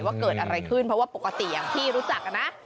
ว่าเกิดอะไรขึ้นเพราะว่าปกติอย่างที่รู้จักนะ